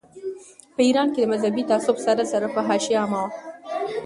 په ایران کې د مذهبي تعصب سره سره فحاشي عامه وه.